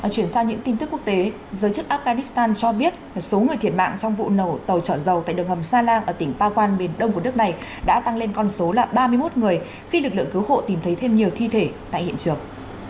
chuyển sang những tin tức quốc tế giới chức afghanistan cho biết số người thiệt mạng trong vụ nổ tàu trở dầu tại đường hầm sa lan ở tỉnh pawan miền đông của nước này đã tăng lên con số là ba mươi một người khi lực lượng cứu hộ tìm thấy thêm nhiều thi thể tại hiện trường